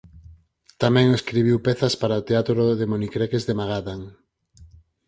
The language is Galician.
Tamén escribiu pezas para o teatro de monicreques de Magadan.